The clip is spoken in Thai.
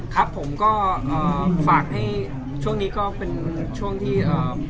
ครับผมก็เอ่อฝากให้ช่วงนี้ก็เป็นช่วงที่เอ่อ